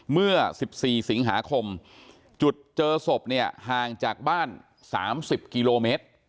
เมื่อ๑๔สิงหาคมจุดเจอศพเนี่ยห่างจากบ้าน๓๐กิโลเมตร